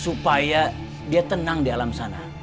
supaya dia tenang di alam sana